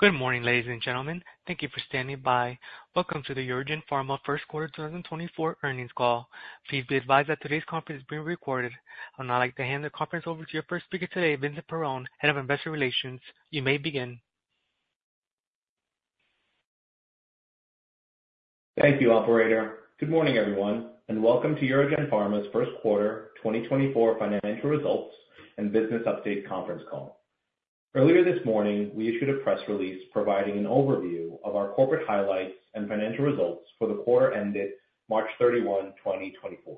Good morning, ladies and gentlemen. Thank you for standing by. Welcome to the UroGen Pharma Q1 2024 earnings call. Please be advised that today's conference is being recorded. I would now like to hand the conference over to your first speaker today, Vincent Perrone, Head of Investor Relations. You may begin. Thank you, operator. Good morning, everyone, and welcome to UroGen Pharma's Q1 2024 financial results and business update conference call. Earlier this morning, we issued a press release providing an overview of our corporate highlights and financial results for the quarter ended March 31, 2024.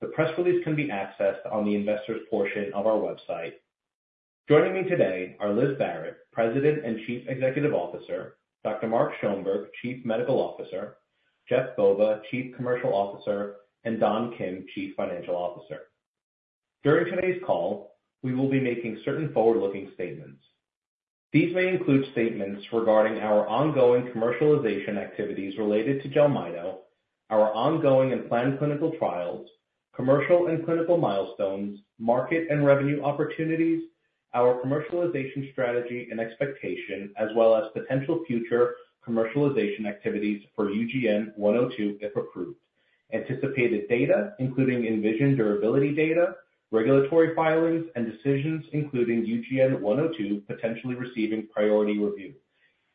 The press release can be accessed on the investors portion of our website. Joining me today are Liz Barrett, President and Chief Executive Officer, Dr. Mark Schoenberg, Chief Medical Officer, Jeff Bova, Chief Commercial Officer, and Don Kim, Chief Financial Officer. During today's call, we will be making certain forward-looking statements. These may include statements regarding our ongoing commercialization activities related to Jelmyto, our ongoing and planned clinical trials, commercial and clinical milestones, market and revenue opportunities, our commercialization strategy and expectation, as well as potential future commercialization activities for UGN-102, if approved. Anticipated data, including ENVISION durability data, regulatory filings and decisions, including UGN-102, potentially receiving priority review.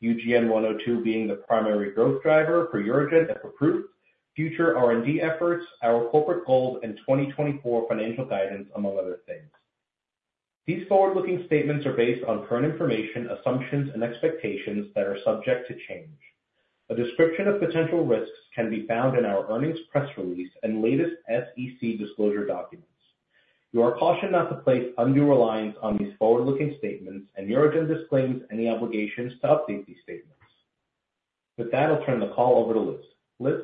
UGN-102 being the primary growth driver for UroGen, if approved, future R&D efforts, our corporate goals and 2024 financial guidance, among other things. These forward-looking statements are based on current information, assumptions and expectations that are subject to change. A description of potential risks can be found in our earnings press release and latest SEC disclosure documents. You are cautioned not to place undue reliance on these forward-looking statements, and UroGen disclaims any obligations to update these statements. With that, I'll turn the call over to Liz. Liz?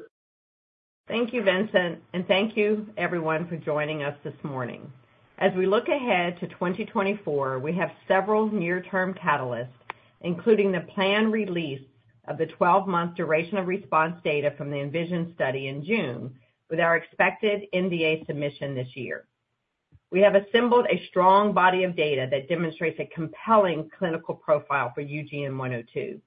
Thank you, Vincent, and thank you everyone for joining us this morning. As we look ahead to 2024, we have several near-term catalysts, including the planned release of the 12-month duration of response data from the ENVISION study in June, with our expected NDA submission this year. We have assembled a strong body of data that demonstrates a compelling clinical profile for UGN-102.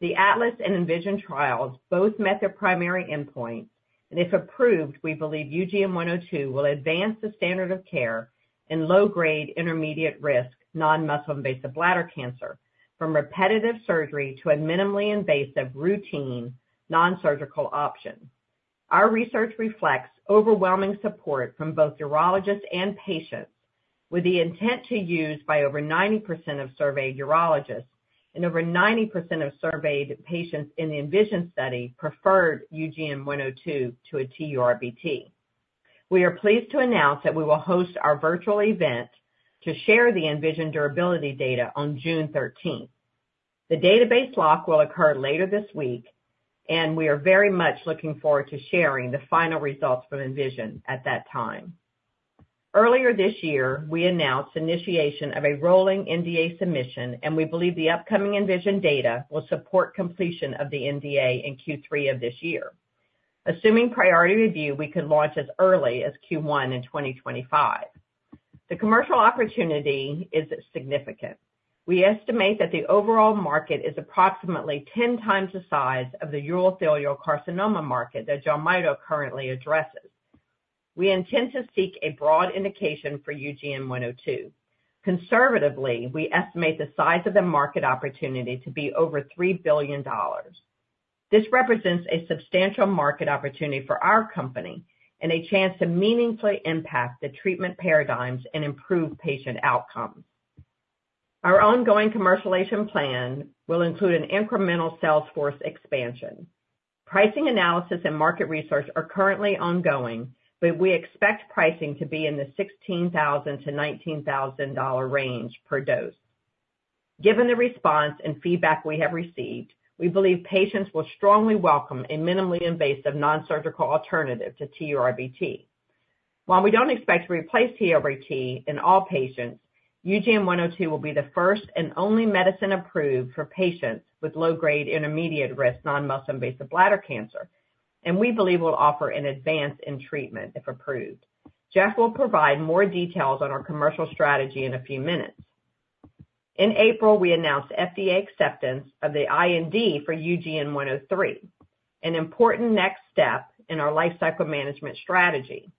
The ATLAS and ENVISION trials both met their primary endpoint, and if approved, we believe UGN-102 will advance the standard of care in low-grade intermediate risk non-muscle invasive bladder cancer, from repetitive surgery to a minimally invasive routine, non-surgical option. Our research reflects overwhelming support from both urologists and patients, with the intent to use by over 90% of surveyed urologists and over 90% of surveyed patients in the ENVISION study preferred UGN-102 to a TURBT. We are pleased to announce that we will host our virtual event to share the ENVISION durability data on June thirteenth. The database lock will occur later this week, and we are very much looking forward to sharing the final results from ENVISION at that time. Earlier this year, we announced initiation of a rolling NDA submission, and we believe the upcoming ENVISION data will support completion of the NDA in Q3 of this year. Assuming priority review, we could launch as early as Q1 in 2025. The commercial opportunity is significant. We estimate that the overall market is approximately 10 times the size of the urothelial carcinoma market that Jelmyto currently addresses. We intend to seek a broad indication for UGN-102. Conservatively, we estimate the size of the market opportunity to be over $3 billion. This represents a substantial market opportunity for our company and a chance to meaningfully impact the treatment paradigms and improve patient outcomes. Our ongoing commercialization plan will include an incremental sales force expansion. Pricing analysis and market research are currently ongoing, but we expect pricing to be in the $16,000-$19,000 range per dose. Given the response and feedback we have received, we believe patients will strongly welcome a minimally invasive non-surgical alternative to TURBT. While we don't expect to replace TURBT in all patients, UGN-102 will be the first and only medicine approved for patients with low-grade intermediate risk non-muscle invasive bladder cancer, and we believe will offer an advance in treatment, if approved. Jeff will provide more details on our commercial strategy in a few minutes. In April, we announced FDA acceptance of the IND for UGN-103, an important next step in our lifecycle management strategy.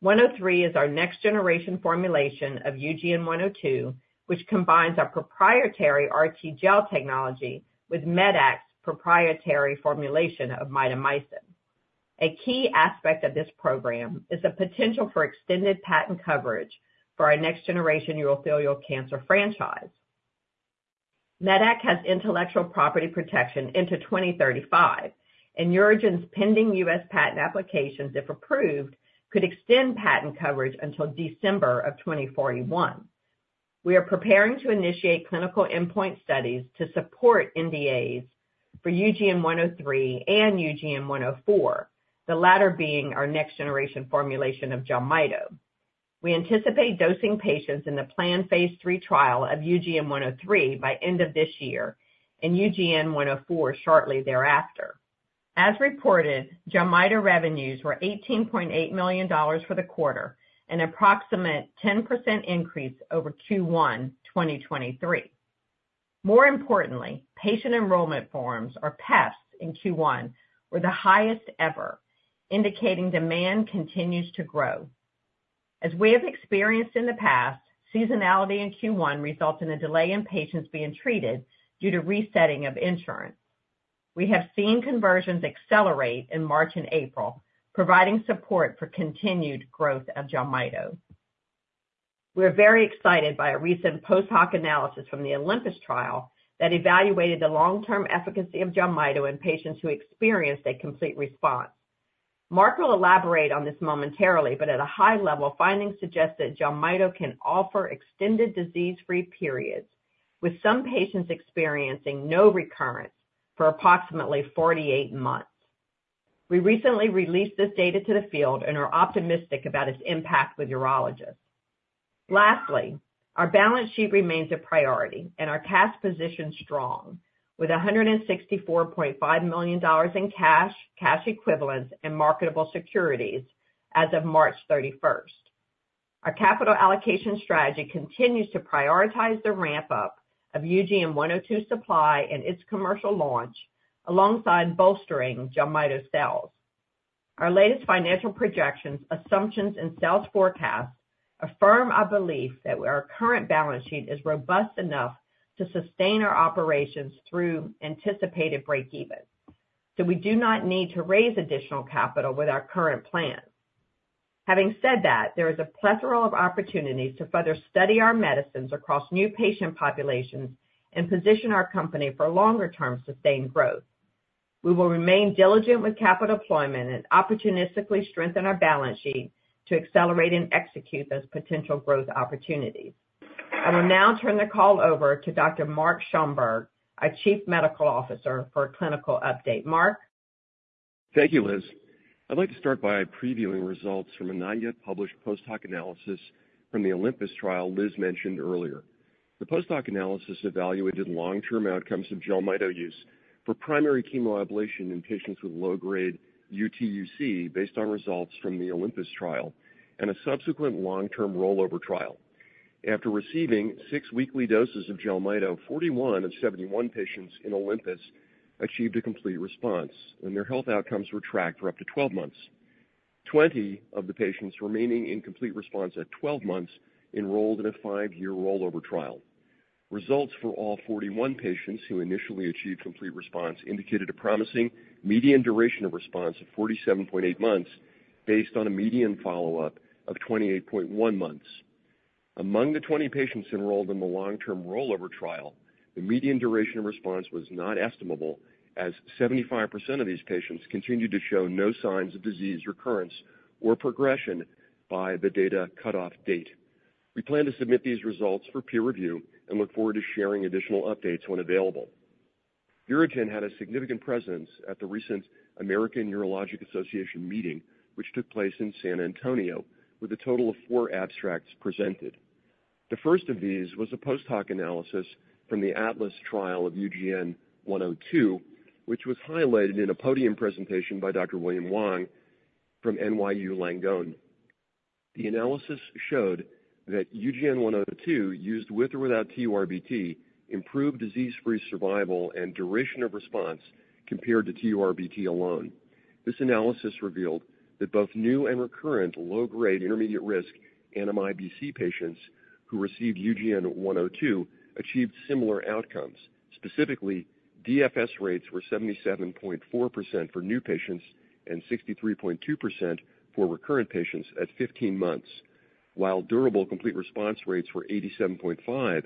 103 is our next generation formulation of UGN-102, which combines our proprietary RTGel technology with Medac's proprietary formulation of mitomycin. A key aspect of this program is the potential for extended patent coverage for our next-generation urothelial cancer franchise. Medac has intellectual property protection into 2035, and UroGen's pending U.S. patent applications, if approved, could extend patent coverage until December of 2041. We are preparing to initiate clinical endpoint studies to support NDAs for UGN-103 and UGN-104, the latter being our next generation formulation of Jelmyto. We anticipate dosing patients in the planned phase three trial of UGN-103 by end of this year and UGN-104 shortly thereafter. As reported, Jelmyto revenues were $18.8 million for the quarter, an approximate 10% increase over Q1 2023. More importantly, patient enrollment forms, or paths in Q1, were the highest ever, indicating demand continues to grow. As we have experienced in the past, seasonality in Q1 results in a delay in patients being treated due to resetting of insurance. We have seen conversions accelerate in March and April, providing support for continued growth of Jelmyto. We are very excited by a recent post hoc analysis from the Olympus trial that evaluated the long-term efficacy of Jelmyto in patients who experienced a complete response. Mark will elaborate on this momentarily, but at a high level, findings suggest that Jelmyto can offer extended disease-free periods, with some patients experiencing no recurrence for approximately 48 months. We recently released this data to the field and are optimistic about its impact with urologists. Lastly, our balance sheet remains a priority and our cash position strong, with $164.5 million in cash, cash equivalents, and marketable securities as of March 31. Our capital allocation strategy continues to prioritize the ramp-up of UGN-102 supply and its commercial launch, alongside bolstering Jelmyto sales. Our latest financial projections, assumptions, and sales forecasts affirm our belief that our current balance sheet is robust enough to sustain our operations through anticipated breakeven, so we do not need to raise additional capital with our current plan. Having said that, there is a plethora of opportunities to further study our medicines across new patient populations and position our company for longer-term, sustained growth. We will remain diligent with capital deployment and opportunistically strengthen our balance sheet to accelerate and execute those potential growth opportunities. I will now turn the call over to Dr. Mark Schoenberg, our Chief Medical Officer, for a clinical update. Mark? Thank you, Liz. I'd like to start by previewing results from a not-yet-published post hoc analysis from the Olympus trial Liz mentioned earlier. The post hoc analysis evaluated long-term outcomes of Jelmyto use for primary chemoablation in patients with low-grade UTUC, based on results from the Olympus trial and a subsequent long-term rollover trial. After receiving 6 weekly doses of Jelmyto, 41 of 71 patients in Olympus achieved a complete response, and their health outcomes were tracked for up to 12 months. 20 of the patients remaining in complete response at 12 months enrolled in a 5-year rollover trial. Results for all 41 patients who initially achieved complete response indicated a promising median duration of response of 47.8 months, based on a median follow-up of 28.1 months. Among the 20 patients enrolled in the long-term rollover trial, the median duration of response was not estimable, as 75% of these patients continued to show no signs of disease recurrence or progression by the data cutoff date. We plan to submit these results for peer review and look forward to sharing additional updates when available. UroGen had a significant presence at the recent American Urological Association meeting, which took place in San Antonio, with a total of 4 abstracts presented. The first of these was a post hoc analysis from the ATLAS trial of UGN-102, which was highlighted in a podium presentation by Dr. William Huang from NYU Langone. The analysis showed that UGN-102, used with or without TURBT, improved disease-free survival and duration of response compared to TURBT alone. This analysis revealed that both new and recurrent low-grade intermediate-risk NMIBC patients who received UGN-102 achieved similar outcomes. Specifically, DFS rates were 77.4% for new patients and 63.2% for recurrent patients at 15 months, while durable complete response rates were 87.5%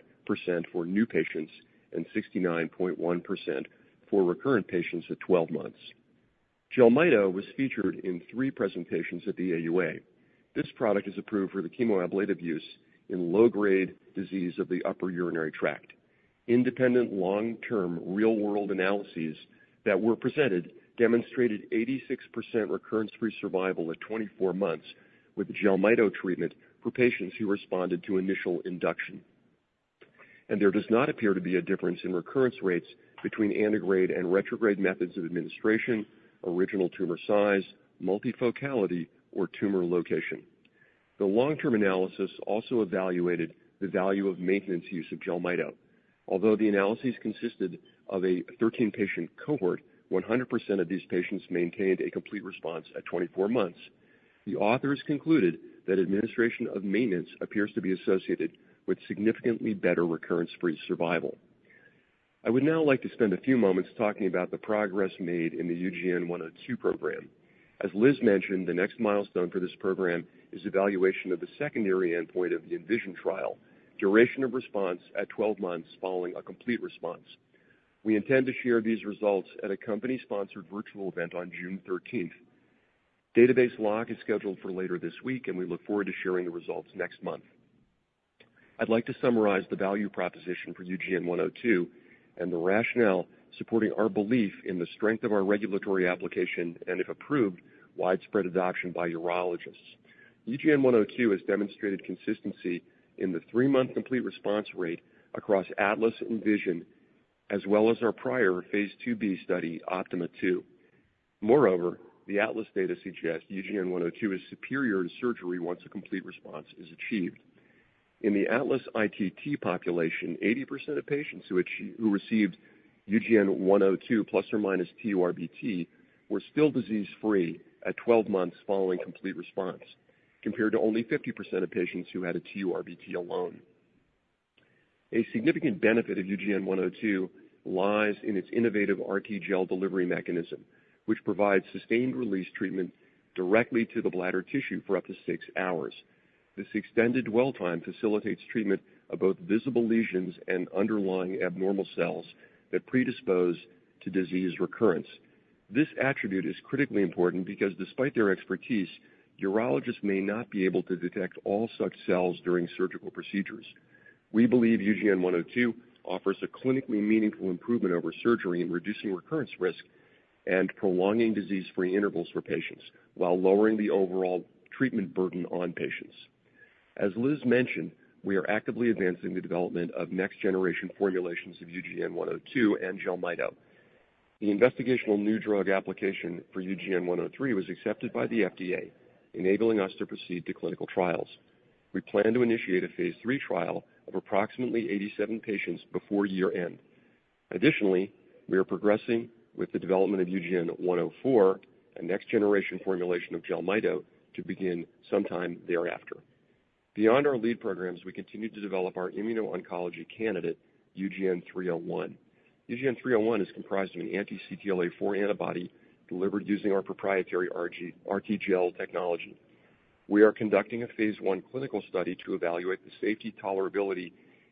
for new patients and 69.1% for recurrent patients at 12 months. Jelmyto was featured in 3 presentations at the AUA. This product is approved for the chemoablative use in low-grade disease of the upper urinary tract. Independent, long-term, real-world analyses that were presented demonstrated 86% recurrence-free survival at 24 months with Jelmyto treatment for patients who responded to initial induction. There does not appear to be a difference in recurrence rates between antegrade and retrograde methods of administration, original tumor size, multifocality, or tumor location. The long-term analysis also evaluated the value of maintenance use of Jelmyto. Although the analyses consisted of a 13-patient cohort, 100% of these patients maintained a complete response at 24 months. The authors concluded that administration of maintenance appears to be associated with significantly better recurrence-free survival. I would now like to spend a few moments talking about the progress made in the UGN-102 program. As Liz mentioned, the next milestone for this program is evaluation of the secondary endpoint of the ENVISION trial, duration of response at 12 months following a complete response. We intend to share these results at a company-sponsored virtual event on June 13th. Database lock is scheduled for later this week, and we look forward to sharing the results next month. I'd like to summarize the value proposition for UGN-102 and the rationale supporting our belief in the strength of our regulatory application, and if approved, widespread adoption by urologists. UGN-102 has demonstrated consistency in the 3-month complete response rate across ATLAS and ENVISION, as well as our prior phase IIB study, OPTIMA II, Moreover, the ATLAS data suggests UGN-102 is superior to surgery once a complete response is achieved. In the ATLAS ITT population, 80% of patients who received UGN-102 plus or minus TURBT were still disease-free at 12 months following complete response, compared to only 50% of patients who had a TURBT alone. A significant benefit of UGN-102 lies in its innovative RTGel delivery mechanism, which provides sustained-release treatment directly to the bladder tissue for up to 6 hours. This extended dwell time facilitates treatment of both visible lesions and underlying abnormal cells that predispose to disease recurrence. This attribute is critically important because, despite their expertise, urologists may not be able to detect all such cells during surgical procedures. We believe UGN-102 offers a clinically meaningful improvement over surgery in reducing recurrence risk and prolonging disease-free intervals for patients, while lowering the overall treatment burden on patients. As Liz mentioned, we are actively advancing the development of next-generation formulations of UGN-102 and Jelmyto. The investigational new drug application for UGN-103 was accepted by the FDA, enabling us to proceed to clinical trials. We plan to initiate a phase III trial of approximately 87 patients before year-end. Additionally, we are progressing with the development of UGN-104, a next-generation formulation of Jelmyto, to begin sometime thereafter. Beyond our lead programs, we continue to develop our immuno-oncology candidate, UGN-301. UGN-301 is comprised of an anti-CTLA-4 antibody delivered using our proprietary RTGel technology. We are conducting a phase I clinical study to evaluate the safety, tolerability,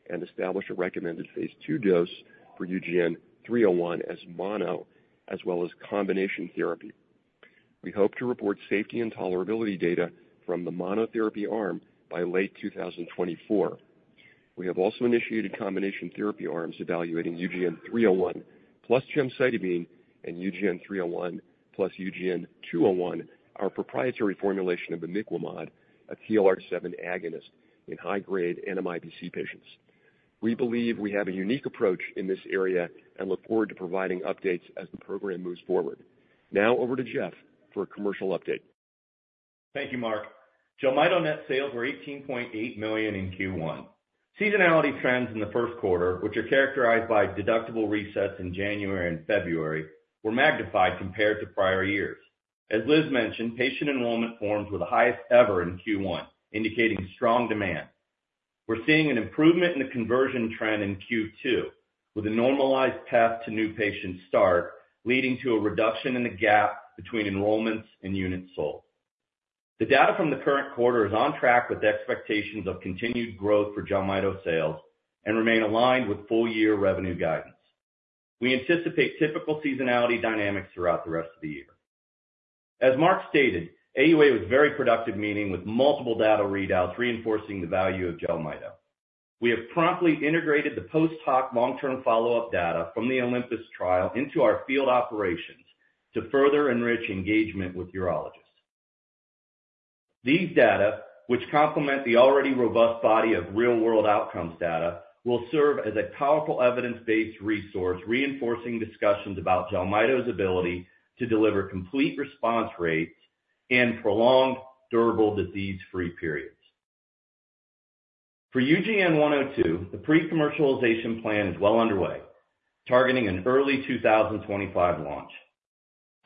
and establish a recommended phase II dose for UGN-301 as mono as well as combination therapy. We hope to report safety and tolerability data from the monotherapy arm by late 2024. We have also initiated combination therapy arms evaluating UGN-301 plus gemcitabine and UGN-301 plus UGN-201, our proprietary formulation of Imiquimod, a TLR7 agonist in high-grade NMIBC patients. We believe we have a unique approach in this area and look forward to providing updates as the program moves forward. Now over to Jeff for a commercial update. Thank you, Mark. Jelmyto net sales were $18.8 million in Q1. Seasonality trends in the Q1, which are characterized by deductible resets in January and February, were magnified compared to prior years. As Liz mentioned, patient enrollment forms were the highest ever in Q1, indicating strong demand. We're seeing an improvement in the conversion trend in Q2, with a normalized path to new patient start, leading to a reduction in the gap between enrollments and units sold. The data from the current quarter is on track with expectations of continued growth for Jelmyto sales and remain aligned with full-year revenue guidance. We anticipate typical seasonality dynamics throughout the rest of the year. As Mark stated, AUA was a very productive meeting, with multiple data readouts reinforcing the value of Jelmyto. We have promptly integrated the post-hoc long-term follow-up data from the Olympus trial into our field operations to further enrich engagement with urologists. These data, which complement the already robust body of real-world outcomes data, will serve as a powerful evidence-based resource, reinforcing discussions about Jelmyto's ability to deliver complete response rates and prolonged durable disease-free periods. For UGN-102, the pre-commercialization plan is well underway, targeting an early 2025 launch.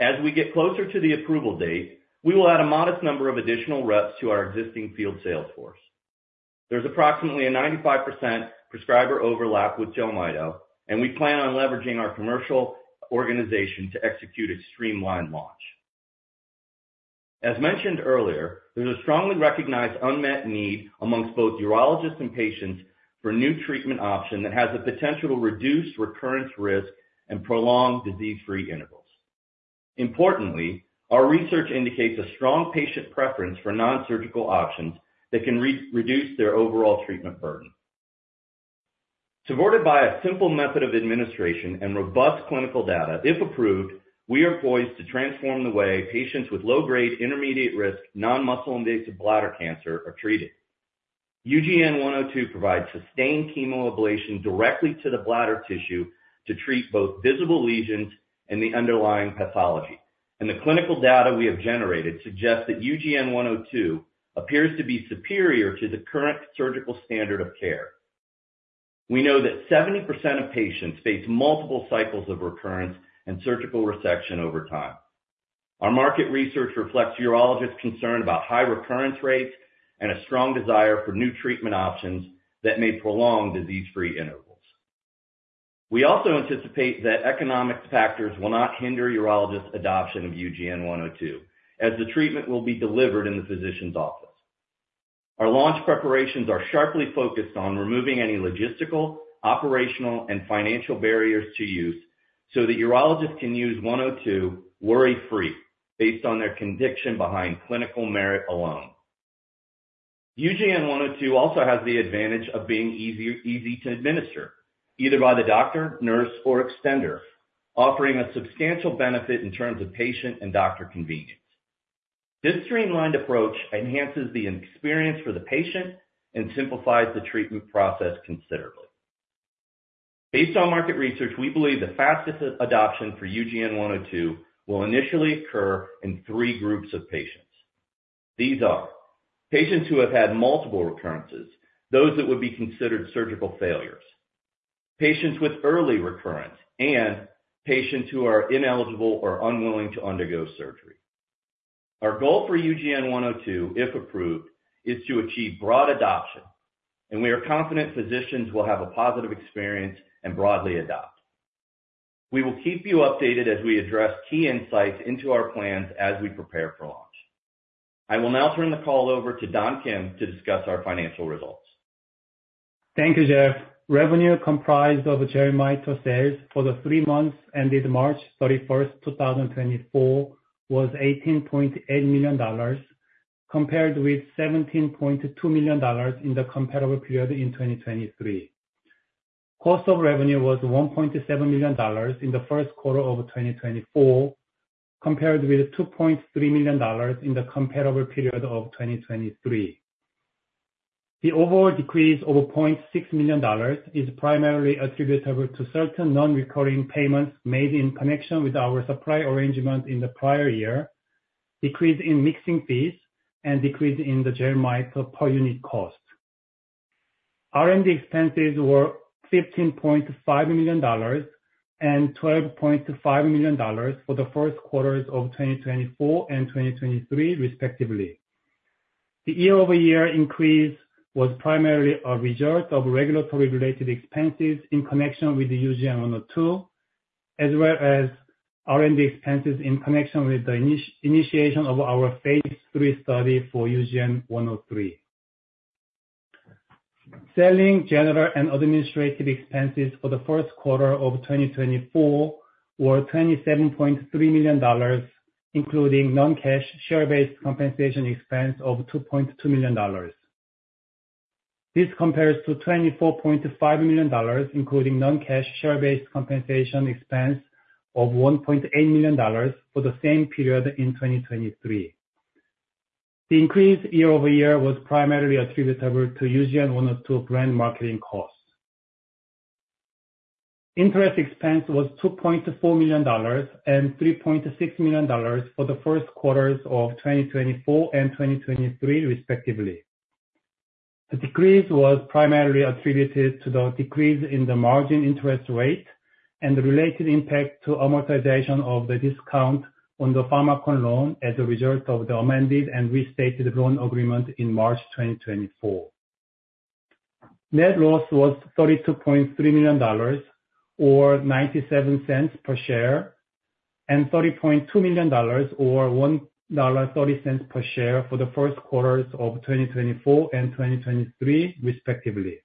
As we get closer to the approval date, we will add a modest number of additional reps to our existing field sales force. There's approximately a 95% prescriber overlap with Jelmyto, and we plan on leveraging our commercial organization to execute a streamlined launch. As mentioned earlier, there's a strongly recognized unmet need amongst both urologists and patients for a new treatment option that has the potential to reduce recurrence risk and prolong disease-free intervals. Importantly, our research indicates a strong patient preference for non-surgical options that can reduce their overall treatment burden. Supported by a simple method of administration and robust clinical data, if approved, we are poised to transform the way patients with low-grade, intermediate-risk, non-muscle invasive bladder cancer are treated. UGN-102 provides sustained chemoablation directly to the bladder tissue to treat both visible lesions and the underlying pathology. And the clinical data we have generated suggests that UGN-102 appears to be superior to the current surgical standard of care. We know that 70% of patients face multiple cycles of recurrence and surgical resection over time. Our market research reflects urologists' concern about high recurrence rates and a strong desire for new treatment options that may prolong disease-free intervals. We also anticipate that economic factors will not hinder urologists' adoption of UGN-102, as the treatment will be delivered in the physician's office. Our launch preparations are sharply focused on removing any logistical, operational, and financial barriers to use so that urologists can use 102 worry-free, based on their conviction behind clinical merit alone. UGN-102 also has the advantage of being easy, easy to administer, either by the doctor, nurse, or extender, offering a substantial benefit in terms of patient and doctor convenience. This streamlined approach enhances the experience for the patient and simplifies the treatment process considerably. Based on market research, we believe the fastest adoption for UGN-102 will initially occur in three groups of patients. These are patients who have had multiple recurrences, those that would be considered surgical failures, patients with early recurrence, and patients who are ineligible or unwilling to undergo surgery. Our goal for UGN-102, if approved, is to achieve broad adoption, and we are confident physicians will have a positive experience and broadly adopt. We will keep you updated as we address key insights into our plans as we prepare for launch. I will now turn the call over to Don Kim to discuss our financial results. Thank you, Jeff. Revenue comprised of Jelmyto sales for the three months ended March 31, 2024, was $18.8 million, compared with $17.2 million in the comparable period in 2023. Cost of revenue was $1.7 million in the Q1 of 2024, compared with $2.3 million in the comparable period of 2023. The overall decrease of $0.6 million is primarily attributable to certain non-recurring payments made in connection with our supply arrangement in the prior year, decrease in mixing fees, and decrease in the Jelmyto per unit cost. R&D expenses were $15.5 million and $12.5 million for the Q1s of 2024 and 2023, respectively. The year-over-year increase was primarily a result of regulatory-related expenses in connection with the UGN-102, as well as R&D expenses in connection with the initiation of our phase 3 study for UGN-103. Selling, general, and administrative expenses for the Q1 of 2024 were $27.3 million, including non-cash share-based compensation expense of $2.2 million. This compares to $24.5 million, including non-cash share-based compensation expense of $1.8 million for the same period in 2023. The increase year-over-year was primarily attributable to UGN-102 brand marketing costs. Interest expense was $2.4 million and $3.6 million for the Q1s of 2024 and 2023, respectively. The decrease was primarily attributed to the decrease in the margin interest rate and the related impact to amortization of the discount on the Pharmakon loan as a result of the amended and restated loan agreement in March 2024. Net loss was $32.3 million, or $0.97 per share, and $30.2 million, or $1.30 per share, for the Q1s of 2024 and 2023, respectively.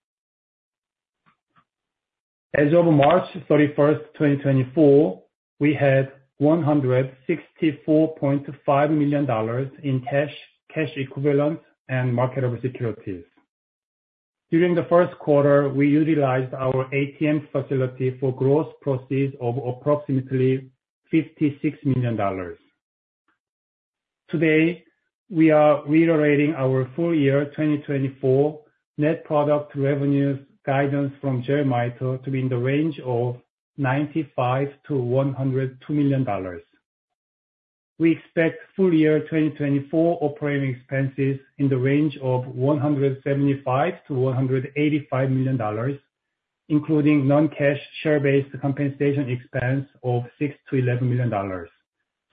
As of March 31, 2024, we had $164.5 million in cash, cash equivalents, and marketable securities. During the Q1, we utilized our ATM facility for gross proceeds of approximately $56 million. Today, we are reiterating our full year 2024 net product revenues guidance from Jelmyto to be in the range of $95 million-$102 million. We expect full year 2024 operating expenses in the range of $175 million-$185 million, including non-cash share-based compensation expense of $6 million-$11 million,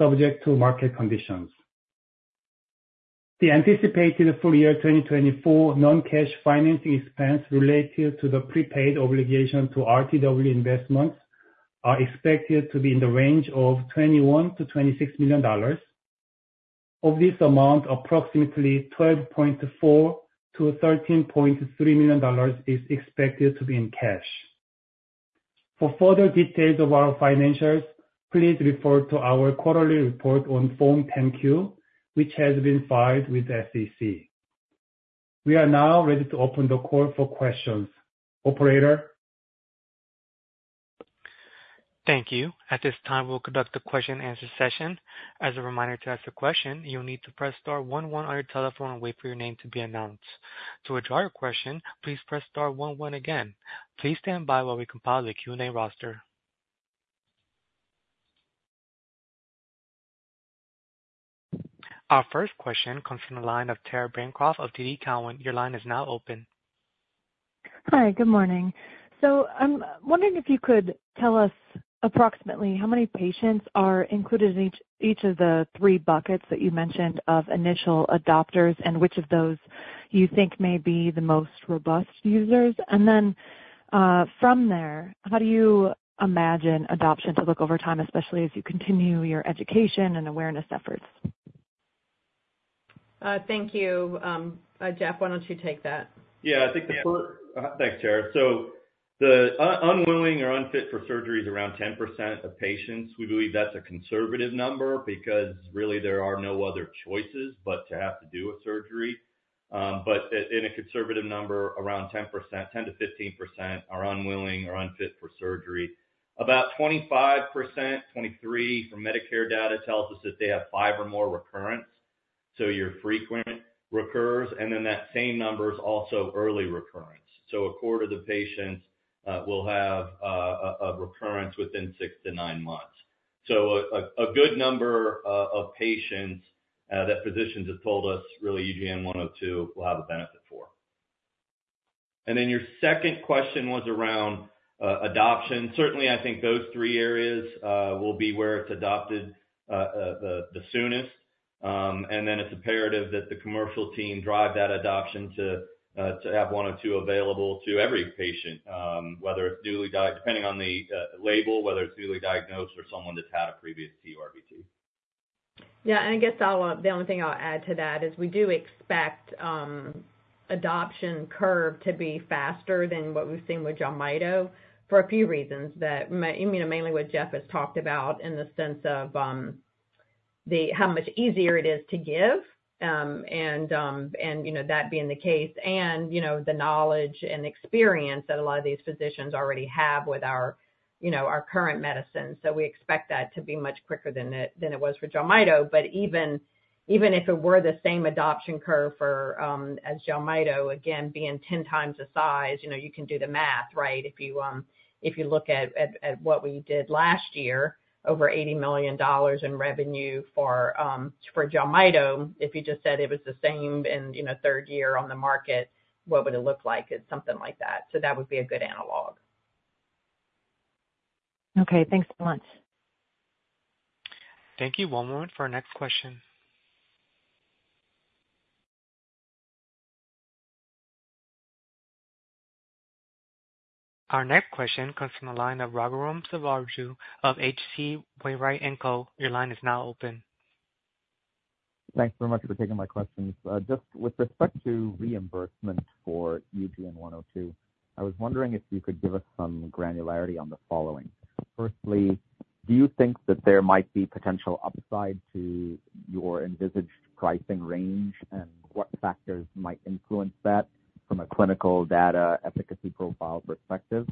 subject to market conditions. The anticipated full year 2024 non-cash financing expense related to the prepaid obligation to RTW Investments are expected to be in the range of $21 million-$26 million. Of this amount, approximately $12.4 million-$13.3 million is expected to be in cash. For further details of our financials, please refer to our quarterly report on Form 10-Q, which has been filed with the SEC. We are now ready to open the call for questions. Operator? Thank you. At this time, we'll conduct a question-and-answer session. As a reminder, to ask a question, you'll need to press star one one on your telephone and wait for your name to be announced. To withdraw your question, please press star one one again. Please stand by while we compile the Q&A roster. Our first question comes from the line of Tara Bancroft of TD Cowen. Your line is now open. Hi, good morning. So I'm wondering if you could tell us approximately how many patients are included in each of the three buckets that you mentioned of initial adopters, and which of those you think may be the most robust users? And then, from there, how do you imagine adoption to look over time, especially as you continue your education and awareness efforts? Thank you. Jeff, why don't you take that? Yeah, I think the first- thanks, Tara. So-... The unwilling or unfit for surgery is around 10% of patients. We believe that's a conservative number because really there are no other choices but to have to do a surgery. But in a conservative number, around 10%, 10%-15% are unwilling or unfit for surgery. About 25%, 23% from Medicare data, tells us that they have 5 or more recurrence, so your frequent recurrers, and then that same number is also early recurrence. So a quarter of the patients will have a recurrence within 6-9 months. So a good number of patients that physicians have told us, really, UGN-102 will have a benefit for. And then your second question was around adoption. Certainly, I think those three areas will be where it's adopted, the soonest. And then it's imperative that the commercial team drive that adoption to have one or two available to every patient, whether it's newly diagnosed, depending on the label, whether it's newly diagnosed or someone that's had a previous TURBT. Yeah, and I guess I'll. The only thing I'll add to that is we do expect adoption curve to be faster than what we've seen with Jelmyto for a few reasons, you know, mainly what Jeff has talked about in the sense of, the, how much easier it is to give. You know, that being the case and, you know, the knowledge and experience that a lot of these physicians already have with our, you know, our current medicines. So we expect that to be much quicker than it was for Jelmyto. But if it were the same adoption curve for as Jelmyto, again, being 10 times the size, you know, you can do the math, right? If you look at what we did last year, over $80 million in revenue for Jelmyto. If you just said it was the same and, you know, third year on the market, what would it look like? It's something like that. So that would be a good analog. Okay, thanks so much. Thank you. One moment for our next question. Our next question comes from the line of Raghuram Selvaraju of H.C. Wainwright & Co. Your line is now open. Thanks very much for taking my questions. Just with respect to reimbursement for UGN-102, I was wondering if you could give us some granularity on the following. Firstly, do you think that there might be potential upside to your envisaged pricing range? And what factors might influence that from a clinical data efficacy profile perspective?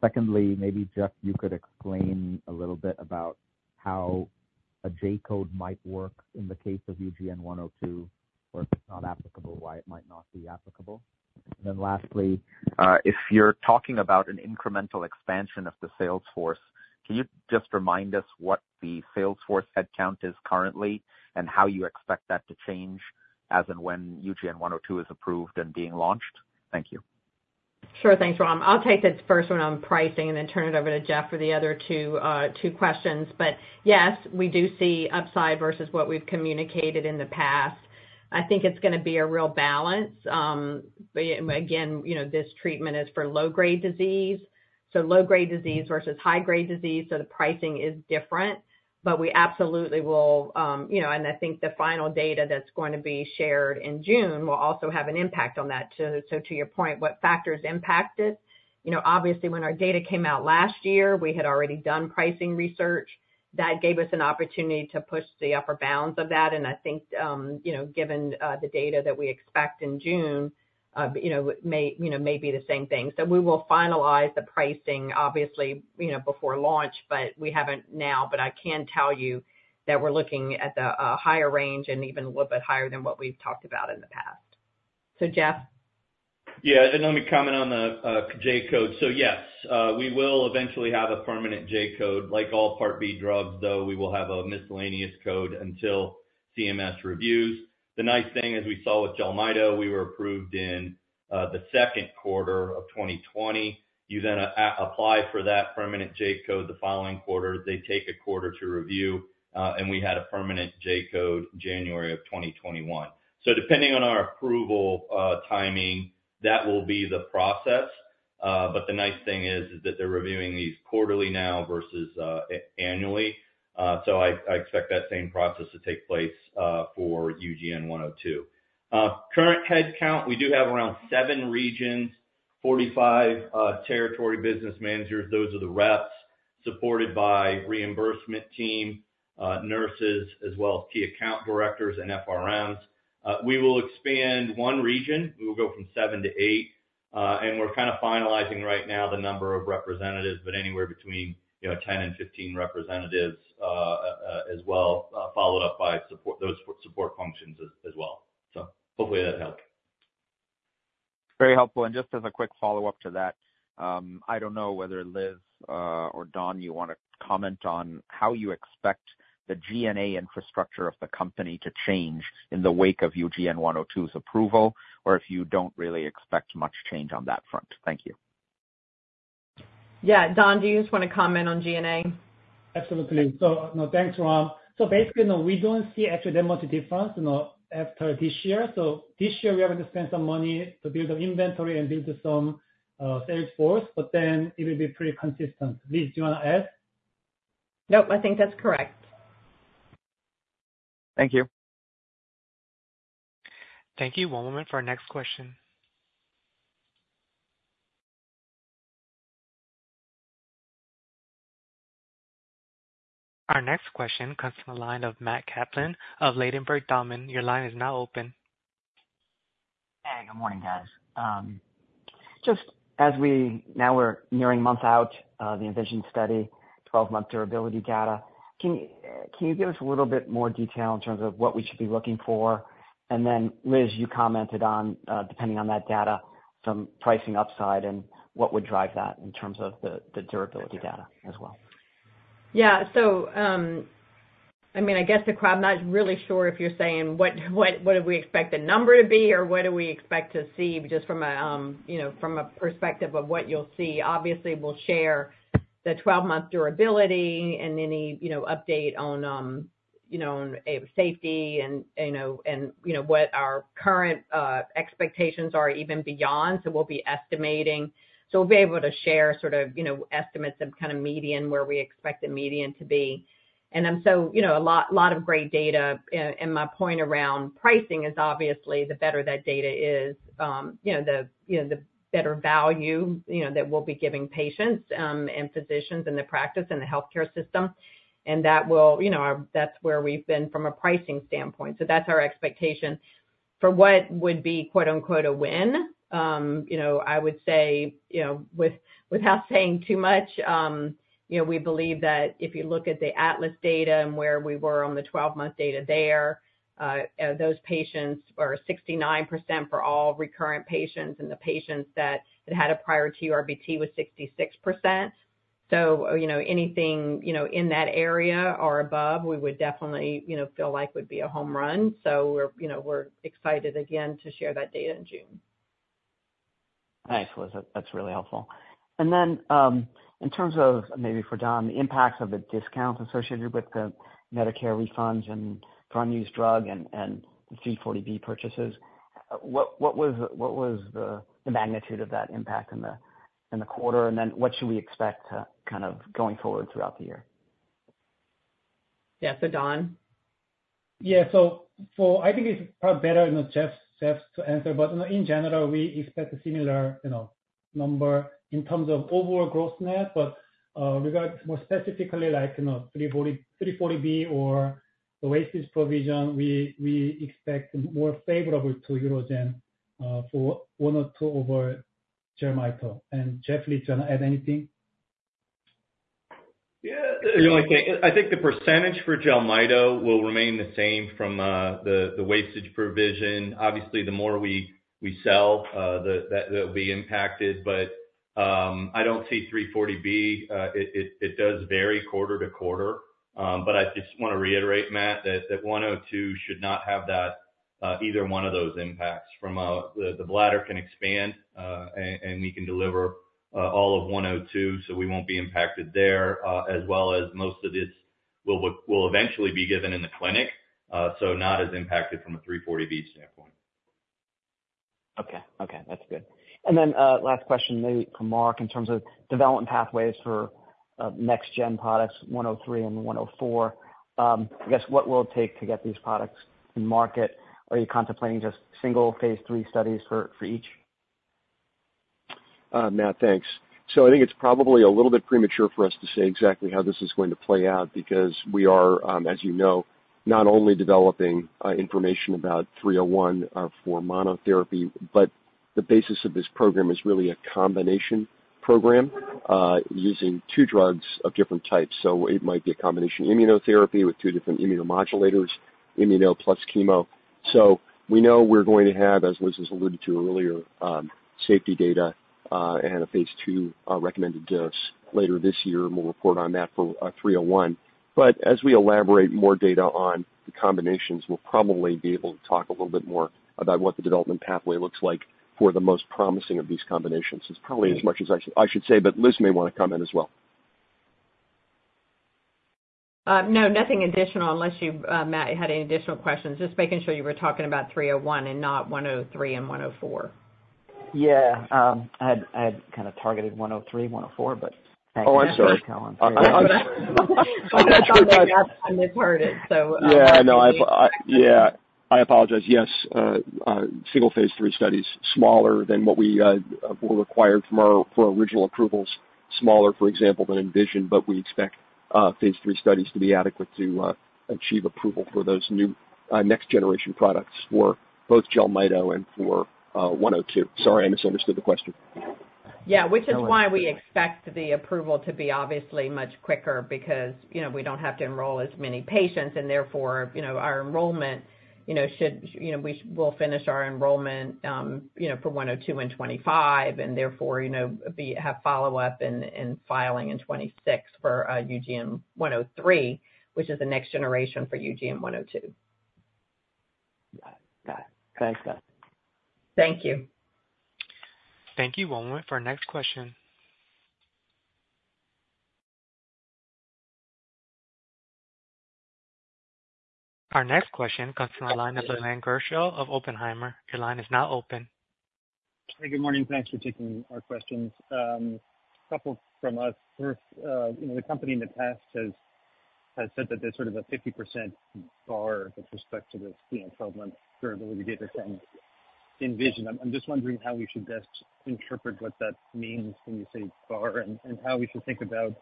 Secondly, maybe, Jeff, you could explain a little bit about how a J-code might work in the case of UGN-102, or if it's not applicable, why it might not be applicable? And then lastly, if you're talking about an incremental expansion of the sales force, can you just remind us what the sales force headcount is currently, and how you expect that to change as and when UGN-102 is approved and being launched? Thank you. Sure. Thanks, Ram. I'll take the first one on pricing and then turn it over to Jeff for the other two, two questions. But yes, we do see upside versus what we've communicated in the past. I think it's gonna be a real balance. But yeah, again, you know, this treatment is for low-grade disease, so low-grade disease versus high-grade disease, so the pricing is different. But we absolutely will, you know, and I think the final data that's going to be shared in June will also have an impact on that, too. So to your point, what factors impact it? You know, obviously, when our data came out last year, we had already done pricing research. That gave us an opportunity to push the upper bounds of that, and I think, you know, given, the data that we expect in June, you know, may, you know, may be the same thing. So we will finalize the pricing, obviously, you know, before launch, but we haven't now. But I can tell you that we're looking at the, higher range and even a little bit higher than what we've talked about in the past. So, Jeff? Yeah, and then let me comment on the J-code. So yes, we will eventually have a permanent J-code. Like all Part B drugs, though, we will have a miscellaneous code until CMS reviews. The nice thing, as we saw with Jelmyto, we were approved in the Q2 of 2020. You then apply for that permanent J-code the following quarter. They take a quarter to review, and we had a permanent J-code January of 2021. So depending on our approval timing, that will be the process. But the nice thing is that they're reviewing these quarterly now versus annually. So I expect that same process to take place for UGN-102. Current headcount, we do have around seven regions, 45 territory business managers, those are the reps, supported by reimbursement team, nurses, as well as key account directors and FRMs. We will expand one region. We will go from seven to eight, and we're kind of finalizing right now the number of representatives, but anywhere between, you know, 10 and 15 representatives, as well, followed up by support, those support functions as well. So hopefully that helped. Very helpful. Just as a quick follow-up to that, I don't know whether Liz or Don, you want to comment on how you expect the commercial infrastructure of the company to change in the wake of UGN-102's approval, or if you don't really expect much change on that front. Thank you. Yeah. Don, do you just want to comment on GNA? Absolutely. So, no, thanks, Ram. So basically, no, we don't see actually that much difference, you know, after this year. So this year, we are going to spend some money to build the inventory and build some sales force, but then it will be pretty consistent. Liz, do you want to add? Nope, I think that's correct. Thank you. Thank you. One moment for our next question. Our next question comes from the line of Matt Kaplan of Ladenburg Thalmann. Your line is now open. Hey, good morning, guys. Just as we're nearing 12 months out, the ENVISION study, 12-month durability data, can you give us a little bit more detail in terms of what we should be looking for? And then, Liz, you commented on, depending on that data, some pricing upside and what would drive that in terms of the durability data as well. Yeah. So, I mean, I guess I'm not really sure if you're saying what, what, what do we expect the number to be? Or what do we expect to see just from a, you know, from a perspective of what you'll see? Obviously, we'll share the 12-month durability and any, you know, update on, you know, safety and, you know, and, you know, what our current expectations are even beyond. So we'll be estimating. So we'll be able to share sort of, you know, estimates of kind of median, where we expect the median to be. And so, you know, a lot, lot of great data. My point around pricing is obviously the better that data is, you know, the, you know, the better value, you know, that we'll be giving patients, and physicians, and the practice, and the healthcare system. And that will, you know, our, that's where we've been from a pricing standpoint. So that's our expectation. For what would be, quote-unquote, "a win," you know, I would say, you know, without saying too much, you know, we believe that if you look at the ATLAS data and where we were on the 12-month data there, those patients are 69% for all recurrent patients, and the patients that had had a prior TURBT was 66%. So, you know, anything, you know, in that area or above, we would definitely, you know, feel like would be a home run. We're, you know, we're excited again to share that data in June. Thanks, Liz. That's really helpful. And then, in terms of, maybe for Don, the impacts of the discounts associated with the Medicare refunds and unused drug and the 340B purchases, what was the magnitude of that impact in the quarter? And then what should we expect, kind of going forward throughout the year? Yeah. So, Don? Yeah. So, so I think it's probably better, you know, Jeff, Jeff to answer. But, you know, in general, we expect a similar, you know, number in terms of overall gross net. But regards more specifically like, you know, 340B or the wastage provision, we, we expect more favorable to UroGen for UGN-102 over Jelmyto. And Jeff, please, do you wanna add anything? Yeah, the only thing, I think the percentage for Jelmyto will remain the same from the wastage provision. Obviously, the more we sell, that will be impacted, but I don't see 340B. It does vary quarter to quarter. But I just wanna reiterate, Matt, that 102 should not have that either one of those impacts from... The bladder can expand, and we can deliver all of 102, so we won't be impacted there, as well as most of it will eventually be given in the clinic, so not as impacted from a 340B standpoint. Okay. Okay, that's good. And then, last question, maybe for Mark, in terms of development pathways for next-gen products, 103 and 104, I guess, what will it take to get these products to market? Are you contemplating just single phase III studies for each? Matt, thanks. So I think it's probably a little bit premature for us to say exactly how this is going to play out because we are, as you know, not only developing, information about 301, for monotherapy, but the basis of this program is really a combination program, using two drugs of different types. So it might be a combination immunotherapy with two different immunomodulators, immuno plus chemo. So we know we're going to have, as Liz has alluded to earlier, safety data, and a phase II, recommended dose later this year, and we'll report on that for, 301. But as we elaborate more data on the combinations, we'll probably be able to talk a little bit more about what the development pathway looks like for the most promising of these combinations. It's probably as much as I should, I should say, but Liz may want to comment as well. No, nothing additional, unless you, Matt, had any additional questions. Just making sure you were talking about 301 and not 103 and 104. Yeah, I had kind of targeted 103, 104, but- Oh, I'm sorry.... I misheard it, so- Yeah, no, yeah, I apologize. Yes, single phase III study's smaller than what we will require from our for original approvals. Smaller, for example, than ENVISION, but we expect phase III studies to be adequate to achieve approval for those new next generation products for both Jelmyto and for 102. Sorry, I misunderstood the question. Yeah, which is why we expect the approval to be obviously much quicker, because, you know, we don't have to enroll as many patients, and therefore, you know, our enrollment, you know, should, you know, we'll finish our enrollment, you know, for UGN-102 in 2025, and therefore, you know, have follow-up and filing in 2026 for UGN-103, which is the next generation for UGN-102. Got it. Thanks, guys. Thank you. Thank you. One moment for our next question. Our next question comes from the line of Leland Gershell of Oppenheimer. Your line is now open. Hey, good morning. Thanks for taking our questions. A couple from us. First, you know, the company in the past has said that there's sort of a 50% bar with respect to this, you know, 12-month durability data from ENVISION. I'm just wondering how we should best interpret what that means when you say bar, and how we should think about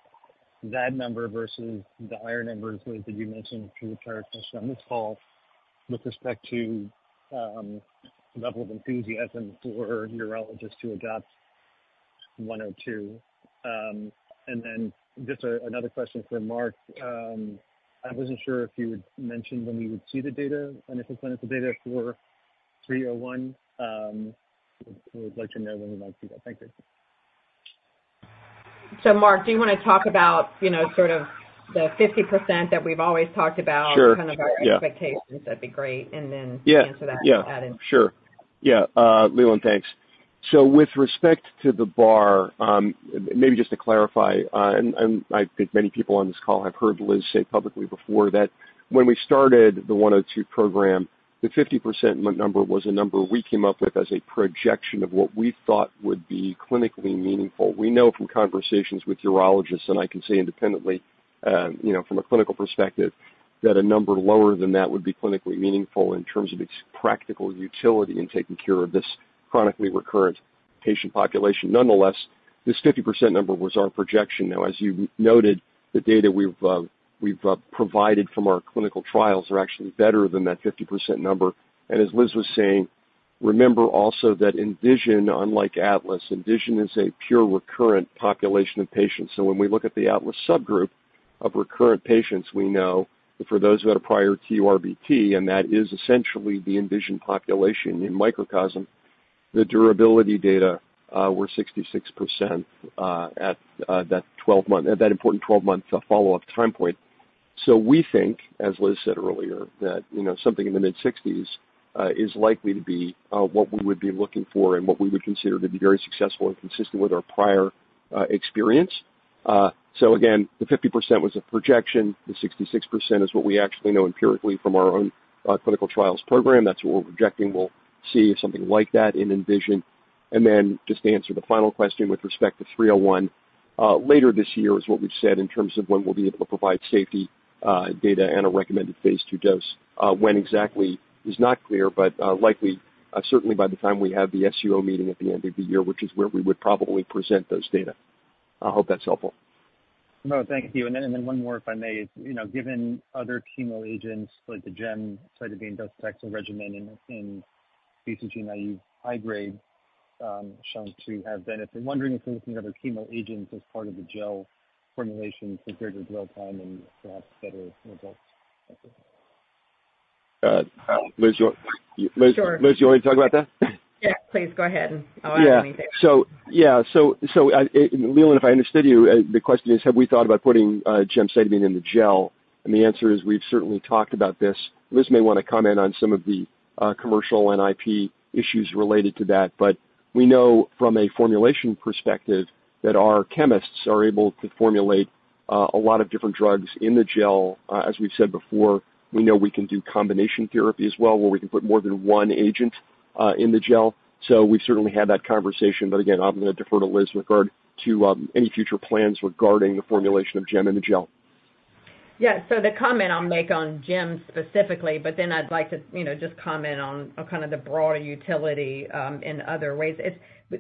that number versus the higher numbers that you mentioned through the characteristics on this call with respect to level of enthusiasm for urologists to adopt 102. And then just another question for Mark. I wasn't sure if you would mention when we would see the data, and if the clinical data for 301, we would like to know when we might see that. Thank you. Mark, do you wanna talk about, you know, sort of the 50% that we've always talked about- Sure. kind of our expectations, that'd be great. Yeah. And then answer that added. Yeah, sure. Yeah. Leland, thanks. So with respect to the bar, maybe just to clarify, and, and I think many people on this call have heard Liz say publicly before that when we started the 102 program, the 50% number was a number we came up with as a projection of what we thought would be clinically meaningful. We know from conversations with urologists, and I can say independently, you know, from a clinical perspective, that a number lower than that would be clinically meaningful in terms of its practical utility in taking care of this chronically recurrent patient population. Nonetheless, this 50% number was our projection. Now, as you noted, the data we've provided from our clinical trials are actually better than that 50% number, and as Liz was saying, remember also that ENVISION, unlike ATLAS, ENVISION is a pure recurrent population of patients. So when we look at the ATLAS subgroup of recurrent patients, we know that for those who had a prior TURBT, and that is essentially the ENVISION population in microcosm, the durability data were 66% at that 12-month. At that important 12-month follow-up time point. So we think, as Liz said earlier, that, you know, something in the mid-60s is likely to be what we would be looking for and what we would consider to be very successful and consistent with our prior experience. So again, the 50% was a projection. The 66% is what we actually know empirically from our own clinical trials program. That's what we're projecting. We'll see something like that in ENVISION. And then just to answer the final question with respect to 301, later this year is what we've said in terms of when we'll be able to provide safety data and a recommended phase 2 dose. When exactly is not clear, but likely certainly by the time we have the SUO meeting at the end of the year, which is where we would probably present those data. I hope that's helpful. No, thank you. And then one more, if I may. You know, given other chemo agents, like the gemcitabine Doxorubicin regimen in BCG-naive high-grade, shown to have benefit, I'm wondering if we're looking at other chemo agents as part of the gel formulation to improve upon and perhaps better results. Thank you. Liz, you want- Sure. Liz, you want to talk about that? Yeah, please go ahead. I'll add anything. Yeah. So, yeah, so, so, I, Leland, if I understood you, the question is, have we thought about putting gemcitabine in the gel? And the answer is, we've certainly talked about this. Liz may want to comment on some of the commercial and IP issues related to that, but we know from a formulation perspective that our chemists are able to formulate a lot of different drugs in the gel. As we've said before, we know we can do combination therapy as well, where we can put more than one agent in the gel. So we've certainly had that conversation, but again, I'm gonna defer to Liz with regard to any future plans regarding the formulation of GEM in the gel. Yeah, so the comment I'll make on GEM specifically, but then I'd like to, you know, just comment on kind of the broader utility in other ways.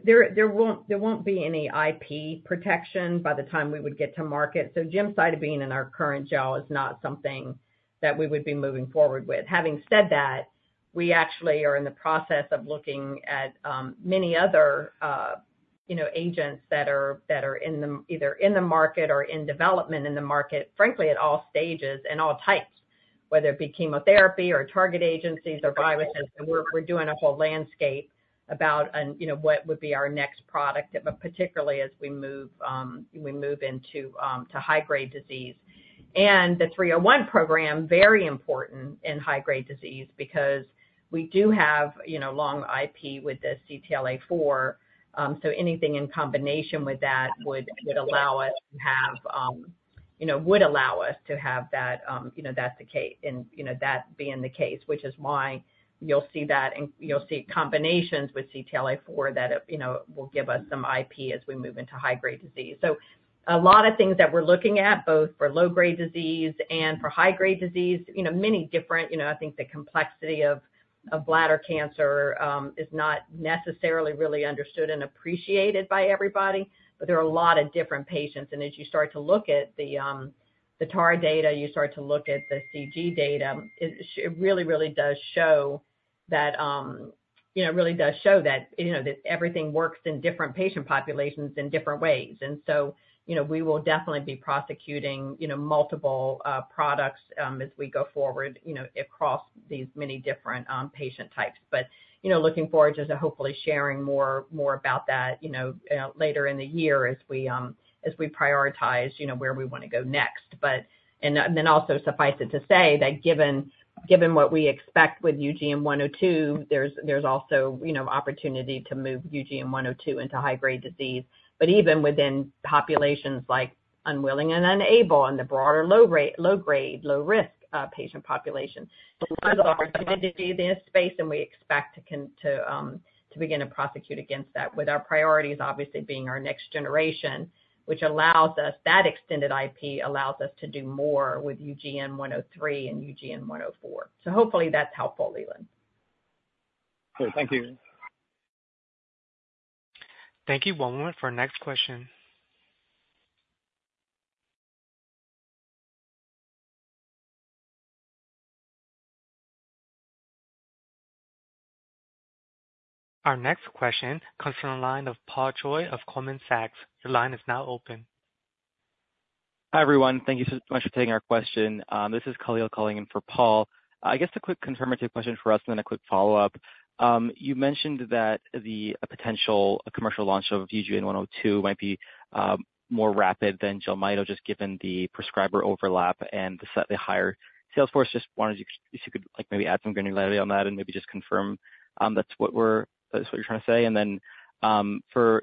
There won't be any IP protection by the time we would get to market. So gemcitabine in our current gel is not something that we would be moving forward with. Having said that, we actually are in the process of looking at many other, you know, agents that are either in the market or in development in the market, frankly, at all stages and all types, whether it be chemotherapy or targeted agents or viruses. And we're doing a whole landscape about, you know, what would be our next product, but particularly as we move into high-grade disease. And the 301 program, very important in high-grade disease because we do have, you know, long IP with this CTLA-4. So anything in combination with that would allow us to have, you know, that, you know, that being the case, which is why you'll see that and you'll see combinations with CTLA-4 that, you know, will give us some IP as we move into high-grade disease. So a lot of things that we're looking at, both for low-grade disease and for high-grade disease, you know, many different. You know, I think the complexity of bladder cancer is not necessarily really understood and appreciated by everybody, but there are a lot of different patients. And as you start to look at the TAR data, you start to look at the CG data, it really, really does show that, you know, it really does show that, you know, that everything works in different patient populations in different ways. And so, you know, we will definitely be prosecuting, you know, multiple products as we go forward, you know, across these many different patient types. But, you know, looking forward to hopefully sharing more about that, you know, later in the year as we prioritize, you know, where we wanna go next. But... And then also suffice it to say that given what we expect with UGN-102, there's also, you know, opportunity to move UGN-102 into high-grade disease, but even within populations like unwilling and unable and the broader low grade, low risk patient population. So there's an opportunity in this space, and we expect to begin to prosecute against that, with our priorities obviously being our next generation, which allows us that extended IP allows us to do more with UGN-103 and UGN-104. So hopefully that's helpful, Leland. Great, thank you. Thank you. One moment for our next question. Our next question comes from the line of Paul Choi of Goldman Sachs. Your line is now open. Hi, everyone. Thank you so much for taking our question. This is Khalil calling in for Paul. I guess a quick confirmatory question for us, and then a quick follow-up. You mentioned that the potential commercial launch of UGN-102 might be more rapid than Jelmyto, just given the prescriber overlap and the slightly higher sales force. Just wondered if you could, like, maybe add some granularity on that and maybe just confirm that's what we're-- that's what you're trying to say? And then, for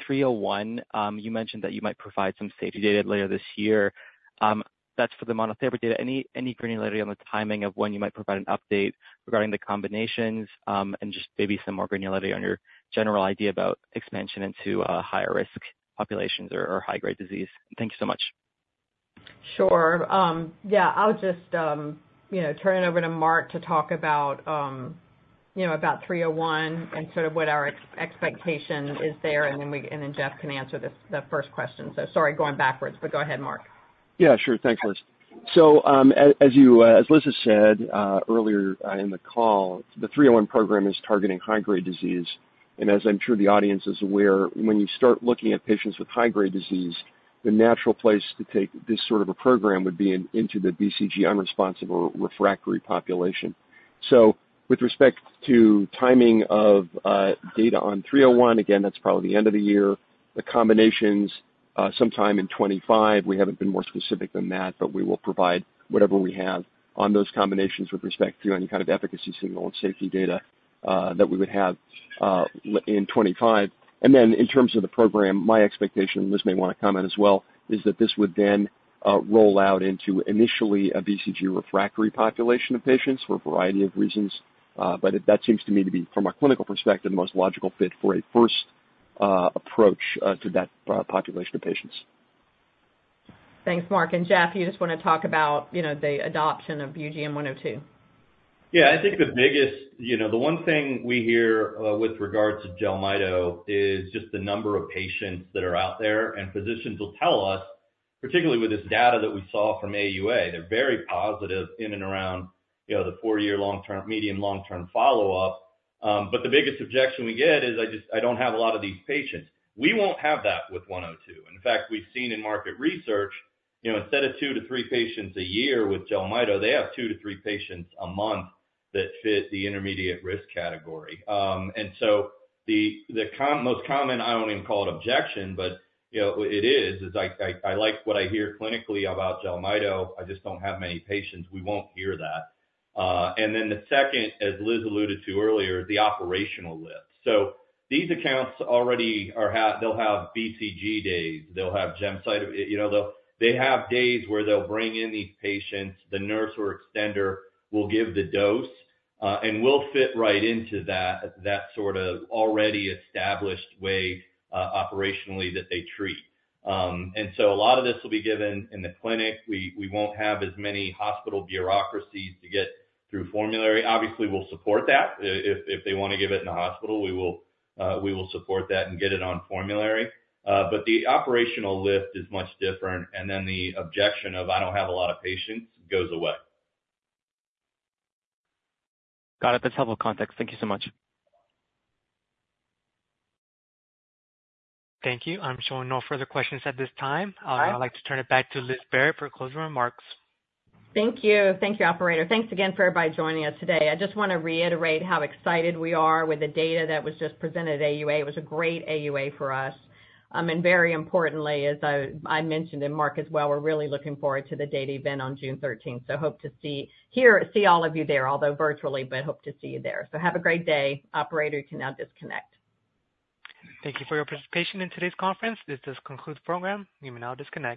301, you mentioned that you might provide some safety data later this year. That's for the monotherapy data. Any granularity on the timing of when you might provide an update regarding the combinations, and just maybe some more granularity on your general idea about expansion into higher risk populations or high-grade disease? Thank you so much. Sure. Yeah, I'll just, you know, turn it over to Mark to talk about, you know, about 301 and sort of what our expectation is there, and then Jeff can answer this, the first question. So sorry, going backwards, but go ahead, Mark. Yeah, sure. Thanks, Liz. So, as you... as Liz has said earlier in the call, the 301 program is targeting high-grade disease, and as I'm sure the audience is aware, when you start looking at patients with high-grade disease, the natural place to take this sort of a program would be in, into the BCG unresponsive or refractory population. So with respect to timing of data on 301, again, that's probably the end of the year. The combinations sometime in 2025. We haven't been more specific than that, but we will provide whatever we have on those combinations with respect to any kind of efficacy signal and safety data that we would have in 2025. In terms of the program, my expectation, and Liz may wanna comment as well, is that this would then roll out into initially a BCG refractory population of patients for a variety of reasons. But that seems to me to be, from a clinical perspective, the most logical fit for a first approach to that population of patients. Thanks, Mark, and Jeff, you just wanna talk about, you know, the adoption of UGN-102? Yeah, I think the biggest... You know, the one thing we hear with regard to Jelmyto is just the number of patients that are out there, and physicians will tell us, particularly with this data that we saw from AUA, they're very positive in and around, you know, the four-year long-term-- medium, long-term follow-up. But the biggest objection we get is: I just -- I don't have a lot of these patients. We won't have that with 102. In fact, we've seen in market research, you know, instead of 2-3 patients a year with Jelmyto, they have 2-3 patients a month that fit the intermediate risk category. And so the most common, I don't even call it objection, but, you know, it is, "I like what I hear clinically about Jelmyto, I just don't have many patients." We won't hear that. And then the second, as Liz alluded to earlier, the operational lift. So these accounts already have. They'll have BCG days, they'll have gemcitabine. You know, they have days where they'll bring in these patients, the nurse or extender will give the dose, and we'll fit right into that sort of already established way, operationally, that they treat. And so a lot of this will be given in the clinic. We won't have as many hospital bureaucracies to get through formulary. Obviously, we'll support that. If they wanna give it in the hospital, we will support that and get it on formulary. But the operational lift is much different. And then the objection of, "I don't have a lot of patients," goes away. Got it. That's helpful context. Thank you so much. Thank you. I'm showing no further questions at this time. All right. I'd like to turn it back to Liz Barrett for closing remarks. Thank you. Thank you, operator. Thanks again for everybody joining us today. I just wanna reiterate how excited we are with the data that was just presented at AUA. It was a great AUA for us. And very importantly, as I mentioned, and Mark as well, we're really looking forward to the data event on June thirteenth. So hope to see all of you there, although virtually, but hope to see you there. So have a great day. Operator, you can now disconnect. Thank you for your participation in today's conference. This does conclude the program. You may now disconnect.